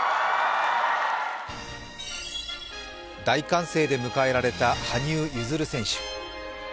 大歓声で迎えられた羽生結弦選手。